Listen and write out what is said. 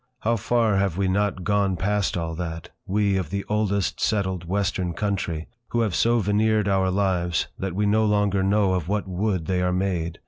How far have we not gone past all that—we of the oldest settled Western country, who have so veneered our lives that we no longer know of what wood they are made!